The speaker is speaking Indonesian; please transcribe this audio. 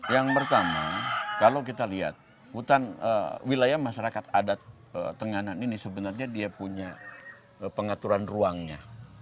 yang pertama kalau kita lihat hutan wilayah masyarakat adat tenganan ini sebenarnya dia punya pengaturan ruangnya